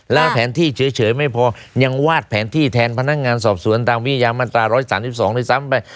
แล้วแผนที่เฉยไม่พอยังวาดแผนที่แทนพนักงานสอบสวนตามวิทยามาตรา๑๓๒ด้วยซ้ำไป